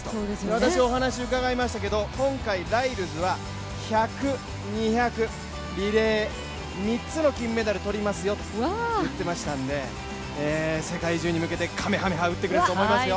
私お話伺いましたけれども、今回ライルズは１００、２００、リレー、３つの金メダルを取りますよと言ってましたんで、世界中に向けてかめはめ波打ってくれると思いますよ。